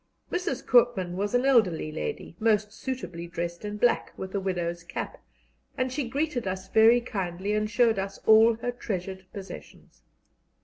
Mrs. Koopman was an elderly lady, most suitably dressed in black, with a widow's cap, and she greeted us very kindly and showed us all her treasured possessions.